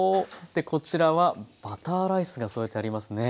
でこちらはバターライスが添えてありますね。